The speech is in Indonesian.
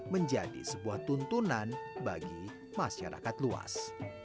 menjadi sebuah tuntunan bagi masyarakat luas